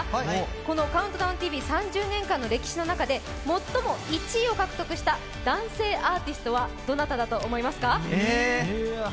この「ＣＤＴＶ」３０年間の歴史の中で最も１位を獲得した男性アーティストはどなただと思いますか？